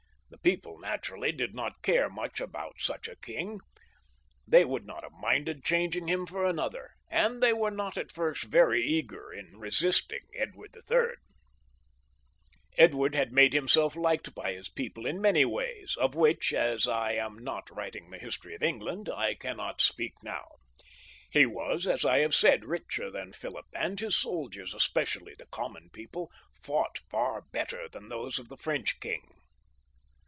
The people naturally did not care much about such a king. They would not have minded changing him for another, and they were not at first very eager in resisting Edward III. Edward had made himself liked by his people in many ways, of which, as I am not writing the history of Eng land, I cannot speak now ; he was, as I have said, richer than Philip, and his soldiers, especially the common people, fought far better than those of the French king.